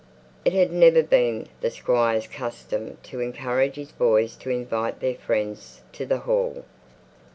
It had never been the Squire's custom to encourage his boys to invite their friends to the Hall.